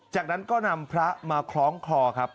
จากนั้นก็นำพระมาคล้องคลอครับ